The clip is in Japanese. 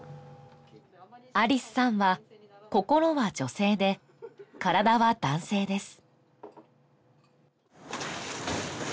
ありすさんは心は女性で体は男性です